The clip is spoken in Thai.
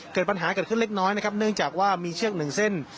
เกิดปัญหาเกิดขึ้นเล็กน้อยนะครับเนื่องจากว่ามีเชือกหนึ่งเส้น